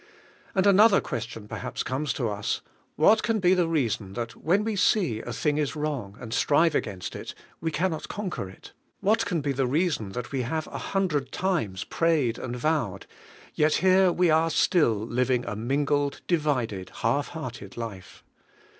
And another question perhaps comes to us: What can be the reason that when we see a thing is wrong and strive against it we cannot conquer it? What can be the reason that we have a hundred times prayed and vowed, yet here we are still liv ing a mingled, divided, half hearted life